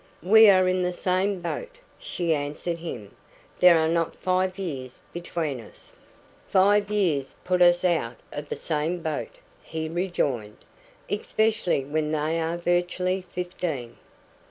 "We are in the same boat," she answered him. "There are not five years between us." "Five years put us out of the same boat," he rejoined, "especially when they are virtually fifteen.